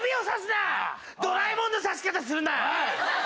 ドラえもんのさし方するな！